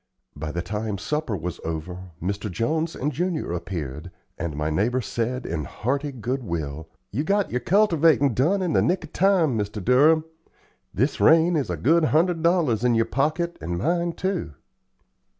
By the time supper was over, Mr. Jones and Junior appeared, and my neighbor said in hearty good will: "You got your cultivatin' done in the nick of time, Mr. Durham. This rain is a good hundred dollars in your pocket and mine, too."